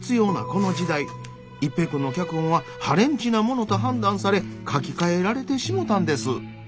一平君の脚本は破廉恥なものと判断され書き換えられてしもたんです。